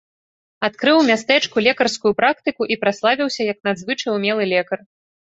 Адкрыў у мястэчку лекарскую практыку і праславіўся як надзвычай умелы лекар.